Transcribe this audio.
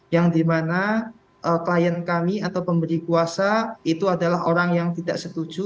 yang dimana klien kami atau pemberi kuasa itu adalah orang yang tidak setuju